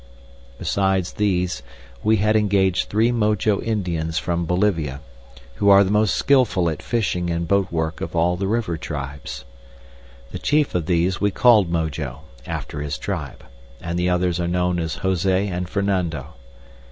Besides these, we had engaged three Mojo Indians from Bolivia, who are the most skilful at fishing and boat work of all the river tribes. The chief of these we called Mojo, after his tribe, and the others are known as Jose and Fernando.